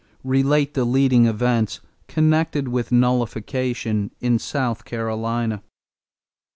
Relate the leading events connected with nullification in South Carolina.